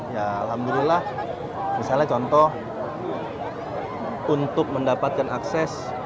ya alhamdulillah misalnya contoh untuk mendapatkan akses